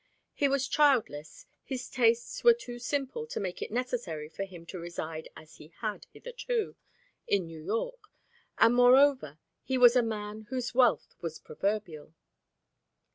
He was childless, his tastes were too simple to make it necessary for him to reside as he had, hitherto, in New York, and, moreover, he was a man whose wealth was proverbial.